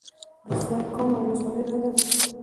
د سرکانو ولسوالۍ لاره ده